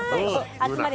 「集まれ！